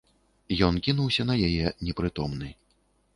Ён кінуўся на яе, непрытомны.